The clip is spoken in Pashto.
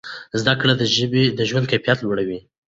زده کړه د ژوند کیفیت لوړوي.